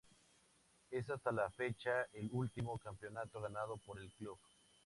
Es, hasta la fecha, el último campeonato ganado por el club.